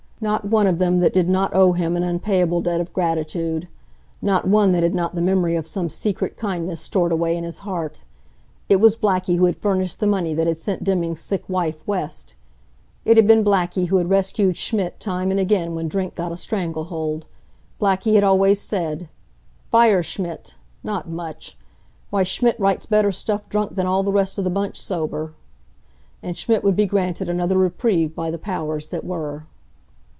Not one of them that did not owe him an unpayable debt of gratitude. Not one that had not the memory of some secret kindness stored away in his heart. It was Blackie who had furnished the money that had sent Deming's sick wife west. It had been Blackie who had rescued Schmidt time and again when drink got a strangle hold. Blackie had always said: "Fire Schmidt! Not much! Why, Schmidt writes better stuff drunk than all the rest of the bunch sober." And Schmidt would be granted another reprieve by the Powers that Were.